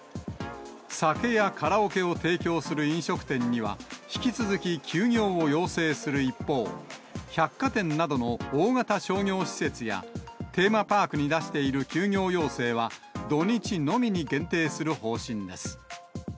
酒やカラオケを提供する飲食店には、引き続き休業を要請する一方、百貨店などの大型商業施設や、テーマパークに出している休業要請は土日のみに限定する方針です。